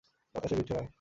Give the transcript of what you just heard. বাতাসে বীজ ছড়ায়।